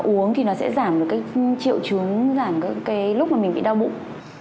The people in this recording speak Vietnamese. uống thì nó sẽ giảm được triệu chứng giảm cái lúc mà mình bị đau bụng